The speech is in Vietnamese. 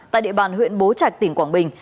tại địa bàn huyện bố trạch tỉnh quảng bình